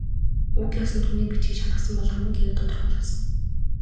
Уг ёс нь түүний бичгийг шалгасан бол хамаг хэрэг тодорхой болохсон.